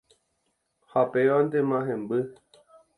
Ha pévantema hemby.